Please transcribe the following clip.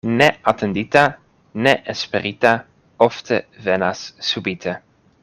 Ne atendita, ne esperita ofte venas subite.